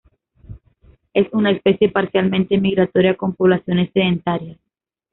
Es una especie parcialmente migratoria, con poblaciones sedentarias.